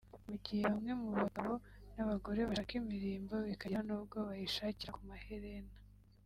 Mugihe bamwe mu bagabo n’abagore bashaka imirimbo bikagera n’ubwo bayishakira ku maherena